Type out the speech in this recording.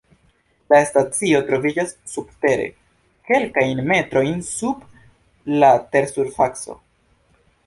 La stacio troviĝas subtere kelkajn metrojn sub la tersurfaco.